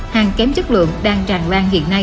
hàng kém chất lượng đang tràn lan hiện nay